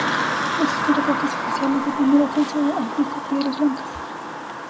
No existen reportes oficiales del primer ascenso al Pico Piedras Blancas.